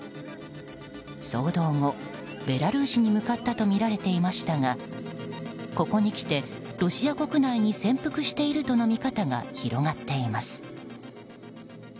騒動後、ベラルーシに向かったとみられていましたがここに来て、ロシア国内に潜伏しているとの見方が広がっています。